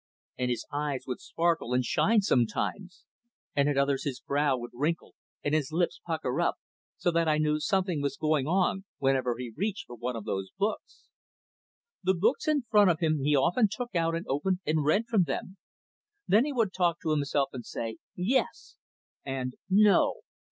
And his eyes would sparkle and shine sometimes, and at others his brow would wrinkle and his lips pucker up, so that I knew something was going on, whenever he reached for one of those books. The books in front of him he often took out and opened and read from them. Then he would talk to himself and say "Yes!" and "No!"